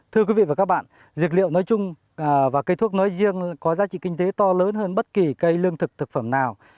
thưa quý vị và các bạn dược liệu nói chung và cây thuốc nói riêng có giá trị kinh tế to lớn hơn bất kỳ cây lương thực thực phẩm nào